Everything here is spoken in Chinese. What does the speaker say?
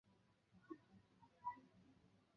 此段始于宝安南路与嘉宾路交叉口。